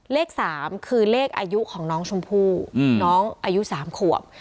เลข๓คือเลขอายุของน้องชมพู่น้องอายุ๓ขวบ